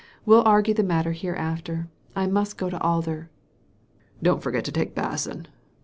We'll argue the matter hereafter. I must go to Alder." " Don't forget to take Basson